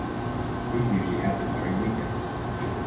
These usually happen during weekends.